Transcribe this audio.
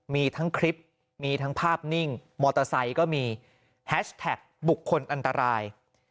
มีทั้งคลิปมีทั้งภาพนิ่งมอเตอร์ไซค์ก็มีแฮชแท็กบุคคลอันตราย